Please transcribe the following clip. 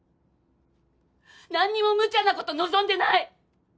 何にもむちゃなこと望んでない。